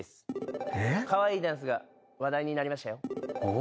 カワイイダンスが話題になりましたよ。